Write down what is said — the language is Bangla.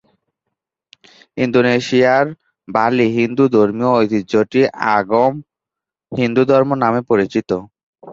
ইন্দোনেশিয়ার বালি হিন্দু ধর্মীয় ঐতিহ্যটি ‘আগম হিন্দুধর্ম’ নামে পরিচিত।